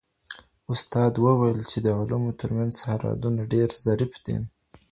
استاد وویل چې د علومو تر منځ سرحدونه ډېر ظریف دي.